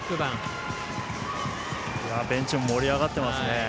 ベンチも盛り上がっていますね。